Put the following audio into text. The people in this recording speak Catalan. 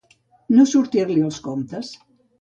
No sortir-li els comptes.